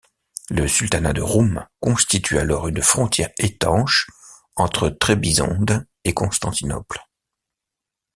Le sultanat de Roum constitue alors une frontière étanche entre Trébizonde et Constantinople.